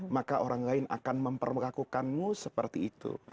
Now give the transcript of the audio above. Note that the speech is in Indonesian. maka orang lain akan memperlakukanmu seperti itu